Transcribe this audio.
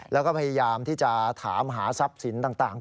แล้วก็พยายามที่จะถามหาทรัพย์สินต่าง